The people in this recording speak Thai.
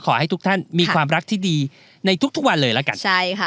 ขอให้ทุกท่านมีความรักที่ดีในทุกวันเลยละกันใช่ค่ะ